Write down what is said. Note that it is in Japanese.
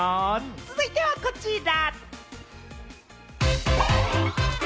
続いてはこちら。